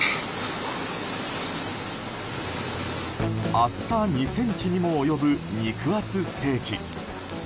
厚さ２ｃｍにも及ぶ肉厚ステーキ。